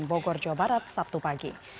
bogor jawa barat sabtu pagi